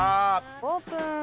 オープン。